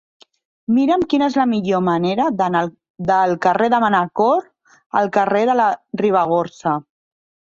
Mira'm quina és la millor manera d'anar del carrer de Manacor al carrer de la Ribagorça.